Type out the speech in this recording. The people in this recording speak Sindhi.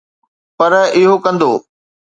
پر اهو ڪندو.